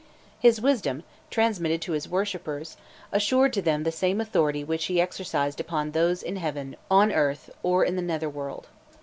His wisdom, transmitted to his worshippers, assured to them the same authority which he exercised upon those in heaven, on earth, or in the nether world.